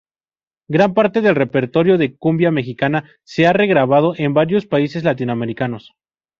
Gran parte del repertorio de cumbia mexicana se ha regrabado en varios países latinoamericanos.